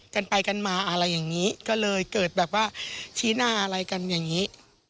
กันไปกันมาอะไรอย่างนี้ก็เลยเกิดแบบว่าชี้หน้าอะไรกันอย่างนี้